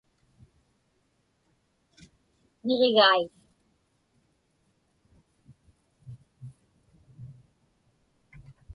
Niġigai.